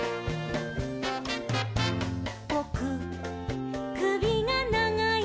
「ぼくくびがながいです」